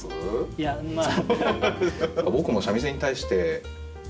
いやまあ。